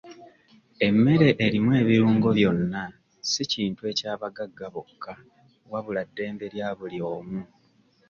Emmere erimu ebirungo byonna si kintu eky'abagagga bokka wabula ddembe lya buli omu.